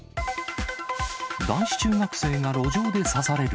男子中学生が路上で刺される。